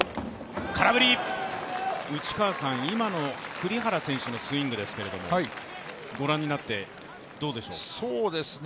今の栗原選手のスイングですけどご覧になってどうでしょう？